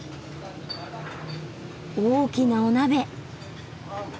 大きなお鍋。